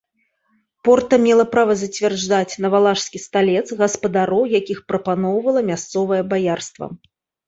Порта мела права зацвярджаць на валашскі сталец гаспадароў, якіх прапаноўвала мясцовае баярства.